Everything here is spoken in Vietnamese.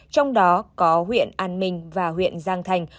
trong đó có huyện an minh và huyện giang thành